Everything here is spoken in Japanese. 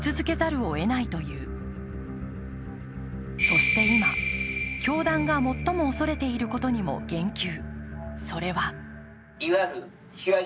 そして今、教団が最も恐れていることにも言及。